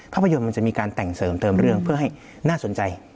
ภาพยนตร์มันจะมีการแต่งเสริมเติมเรื่องเพื่อให้น่าสนใจ